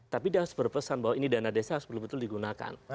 tapi dia harus berpesan bahwa ini dana desa harus betul betul digunakan